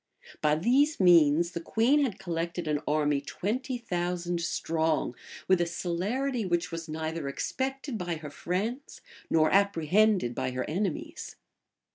By these means, the queen had collected an army twenty thousand strong, with a celerity which was neither expected by her friends nor apprehended by her enemies.